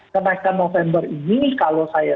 kenaikan november ini kalau saya